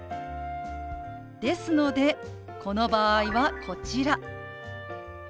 ですのでこの場合はこちら。